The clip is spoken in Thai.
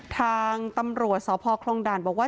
ทางตำรวจสพคลองด่านบอกว่า